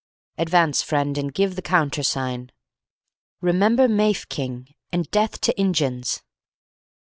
"Advance, friend, and give the countersign." "Remember Mafeking, and death to Injuns."